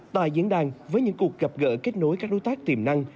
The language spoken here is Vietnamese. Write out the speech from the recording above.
tại diễn đàn với những cuộc gặp gỡ kết nối các đối tác tiềm năng